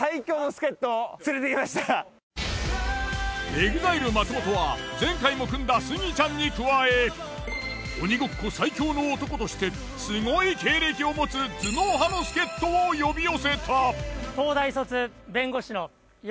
ＥＸＩＬＥ松本は前回も組んだスギちゃんに加え鬼ごっこ最強の男としてすごい経歴を持つ頭脳派の助っ人を呼び寄せた。